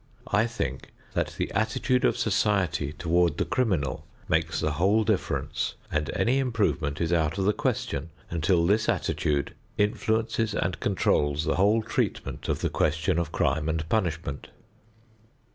I think that the attitude of society toward the criminal makes the whole difference, and any improvement is out of the question until this attitude influences and controls the whole treatment of the question of crime and punishment.